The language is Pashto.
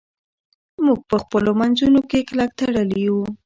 موږ په خپلو منځونو کې کلک تړلي یو.